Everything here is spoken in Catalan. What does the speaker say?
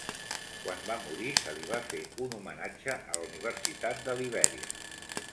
Quan va morir, se li va fer un homenatge a la Universitat de Libèria.